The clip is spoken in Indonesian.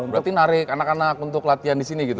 berarti narik anak anak untuk latihan disini gitu